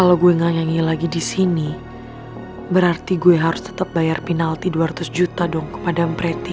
kalau gue gak nyanyi lagi disini berarti gue harus tetap bayar penalti dua ratus juta dong ke madame preti